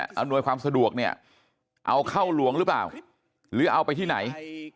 อำนวยความสะดวกเนี่ยเอาเข้าหลวงหรือเปล่าหรือเอาไปที่ไหน